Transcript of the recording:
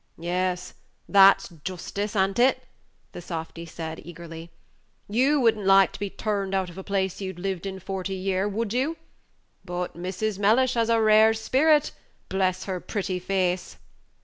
"Yes, that's justice, a'n't it?" the softy said, eagerly. "You would n't like to be turned out of a place as you'd lived in forty year, would you? But Mrs. Mellish has a rare spirit, bless her pretty face!"